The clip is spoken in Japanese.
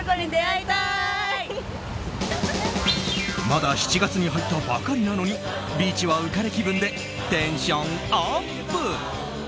まだ７月に入ったばかりなのにビーチは浮かれ気分でテンションアップ！